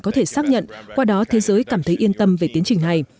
có thể xác nhận qua đó thế giới cảm thấy yên tâm về tiến trình này